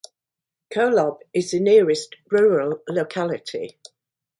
Kolob is the nearest rural locality.